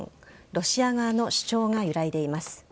ロシア側の主張が揺らいでいます。